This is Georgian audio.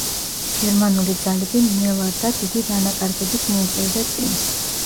გერმანული ძალები ნელა და დიდი დანაკარგებით მიიწევდა წინ.